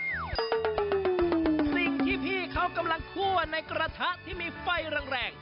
สิ่งที่พี่เขากำลังคั่วในกระทะที่มีไฟแรง